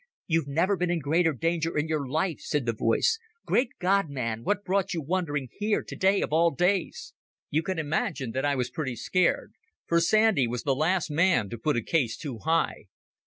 "You've never been in greater danger in your life," said the voice. "Great God, man, what brought you wandering here today of all days?" You can imagine that I was pretty scared, for Sandy was the last man to put a case too high.